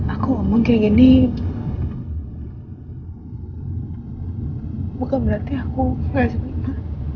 aku ngomong kayak gini bukan berarti aku gak sedih ma